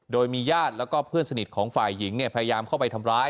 โดยมีญาติแล้วก็เพื่อนสนิทของฝ่ายหญิงพยายามเข้าไปทำร้าย